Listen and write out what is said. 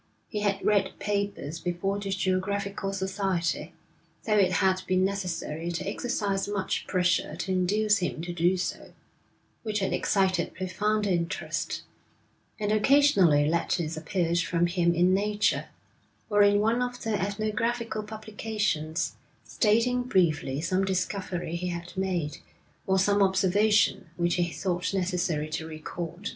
He had read papers before the Geographical Society, (though it had been necessary to exercise much pressure to induce him to do so), which had excited profound interest; and occasionally letters appeared from him in Nature, or in one of the ethnographical publications, stating briefly some discovery he had made, or some observation which he thought necessary to record.